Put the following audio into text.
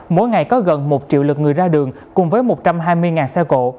mỗi ngày có gần một triệu lượt người ra đường cùng với một trăm hai mươi xe cộ